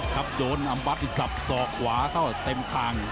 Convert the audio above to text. โดนอำบัดสับสอกขวาเข้าเต็มคาง